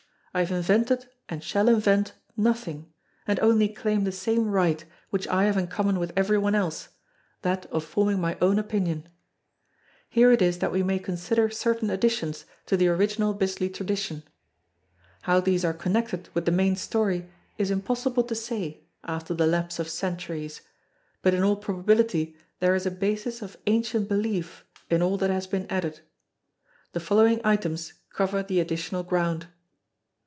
I have invented and shall invent nothing; and only claim the same right which I have in common with every one else that of forming my own opinion. Here it is that we may consider certain additions to the original Bisley tradition. How these are connected with the main story is impossible to say after the lapse of centuries; but in all probability there is a basis of ancient belief in all that has been added. The following items cover the additional ground.